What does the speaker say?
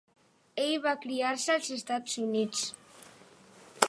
Ell va criar-se als Estats Units.